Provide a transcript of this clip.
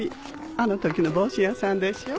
あの時の帽子屋さんでしょ？